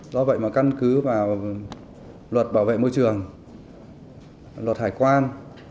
do vậy mà căn cứ vào luật bảo vệ môi trường luật hải quan